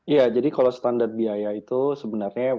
ya jadi kalau standar biaya itu sebenarnya